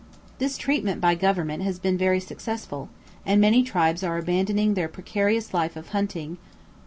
This treatment by Government has been very successful, and many tribes are abandoning their precarious life of hunting.